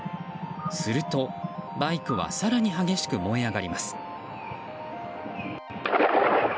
すると、バイクは更に激しく燃え上がります。